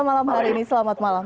malam hari ini selamat malam